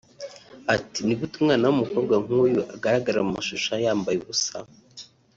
ati “Ni gute umwana w’umukobwa nk’uyu agaragara mu mashusho yambaye ubusa